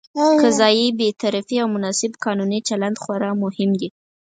قضايي بېطرفي او مناسب قانوني چلند خورا مهم دي.